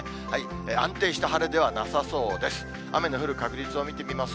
安定した晴れではなさそうです。